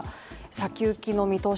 先行きの見通し